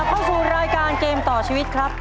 เข้าสู่รายการเกมต่อชีวิตครับ